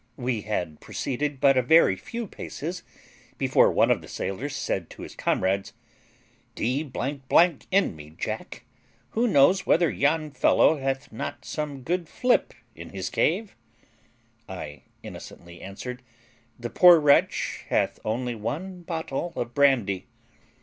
"We had proceeded but a very few paces before one of the sailors said to his comrades, 'D n me, Jack, who knows whether yon fellow hath not some good flip in his cave?' I innocently answered, The poor wretch hath only one bottle of brandy.